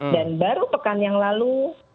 dan baru pekan yang lalu